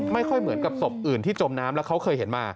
ไม่ค่อยเหมือนกับศพอื่นที่จมน้ำแล้วเขาเคยเห็นมา